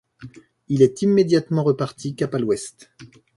Il est immédiatement reparti, cap à l'ouest.